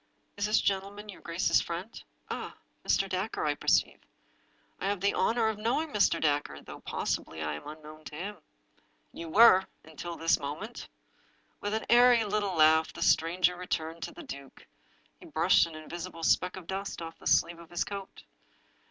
" Is this gentleman your grace's friend ? Ah — Mr. Dacre, I perceive! I have the honor of knowing Mr. Dacre, though, possibly, I am unknown to him." "You were — until this moment." With an airy little laugh the stranger returned to the duke. He brushed an invisible speck of dust off the sleeve of his coat.